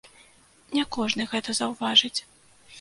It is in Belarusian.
Не кожны гэта заўважыць.